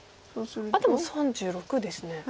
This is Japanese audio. あっでも３６ですね。